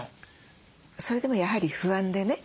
それでもやはり不安でね